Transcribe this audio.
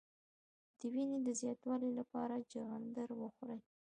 د وینې د زیاتوالي لپاره چغندر وخورئ